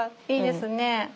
いいですね。